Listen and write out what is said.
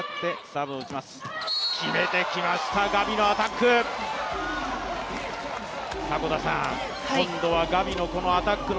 決めてきました、ガビのアタック。